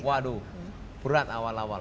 waduh berat awal awal